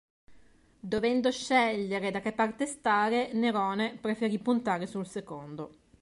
Dovendo scegliere da che parte stare, Nerone preferì puntare sul secondo.